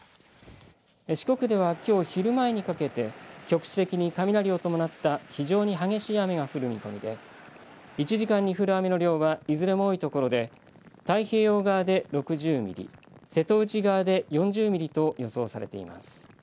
四国ではきょう昼前にかけて局地的に雷を伴った非常に激しい雨が降る見込みで１時間に降る雨の量はいずれも多いところで太平洋側で６０ミリ瀬戸内側で４０ミリと予想されています。